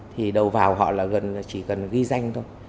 thì đầu vào họ là gần chỉ cần ghi danh thôi